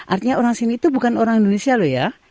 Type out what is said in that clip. artinya orang sini itu bukan orang indonesia loh ya